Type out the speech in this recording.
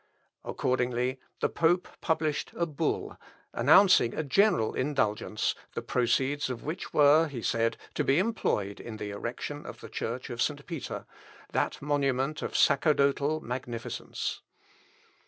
Accordingly, the pope published a bull, announcing a general indulgence, the proceeds of which were, he said, to be employed in the erection of the church of St. Peter, that monument of sacerdotal magnificence.